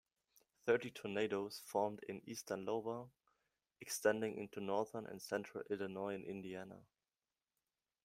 Thirty tornadoes formed in eastern Iowa, extending into northern and central Illinois and Indiana.